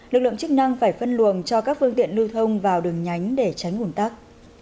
lực lượng chức năng phải phân luồng cho các phương tiện lưu thông vào đường nhánh để tránh ủn tắc